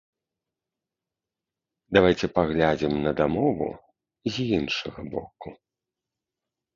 Давайце паглядзім на дамову з іншага боку.